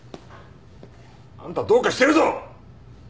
あんたどうかしてるぞ！